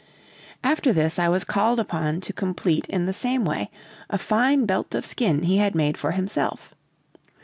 After this, I was called upon to complete in the same way a fine belt of skin he had made for himself.